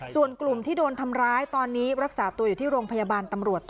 ส่วนกลุ่มที่โดนทำร้ายตอนนี้รักษาตัวอยู่ที่โรงพยาบาลตำรวจ